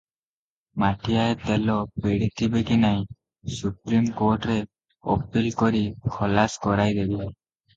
ମାଠିଆଏ ତେଲ ପେଡ଼ିଥିବେକି ନାହିଁ, ସୁପ୍ରିମ କୋର୍ଟରେ ଅପିଲ କରି ଖଲାସ କରାଇଦେବି ।